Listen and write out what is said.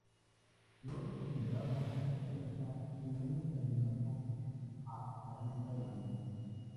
No es considerado un planeta, sino un candidato a planeta enano.